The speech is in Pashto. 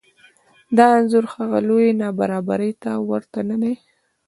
دا انځور هغه لویې نابرابرۍ ته ورته نه دی